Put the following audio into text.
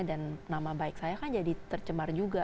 dan nama baik saya kan jadi tercemar juga